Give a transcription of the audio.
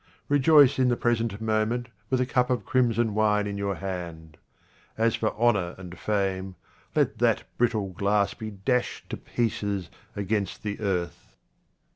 Rejoice in the present moment with a cup of crimson wine in your hand. As for honour and fame, let that brittle glass be dashed to pieces against the earth.